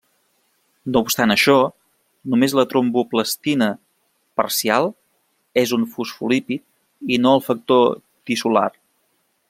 No obstant això, només la tromboplastina parcial és un fosfolípid, i no el factor tissular.